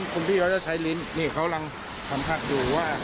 คุณพี่เขาจะใช้ลิ้นนี่เขากำลังสัมผัสอยู่ว่า